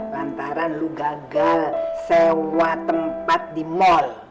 lantaran lu gagal sewa tempat di mal